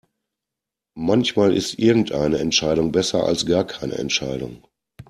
Manchmal ist irgendeine Entscheidung besser als gar keine Entscheidung.